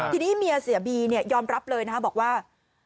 ทีนี้เมียเสียบียอมรับเลยนะครับบอกว่า